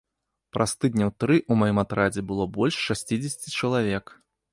Праз тыдняў тры ў маім атрадзе было больш шасцідзесяці чалавек.